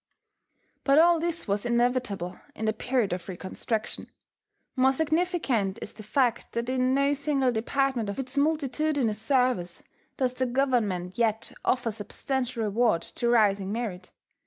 But all this was inevitable in the period of reconstruction. More significant is the fact that in no single department of its multitudinous service does the Government yet offer substantial reward to rising merit.